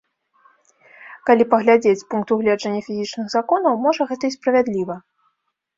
Калі паглядзець з пункту гледжання фізічных законаў, можа, гэта і справядліва.